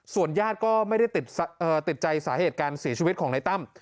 ญาติก็ไม่ได้ติดใจสาเหตุการเสียชีวิตของในตั้ม